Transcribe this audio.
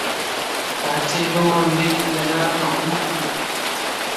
پارچەی بەو ڕەنگەی لەلا مەحبووب بوو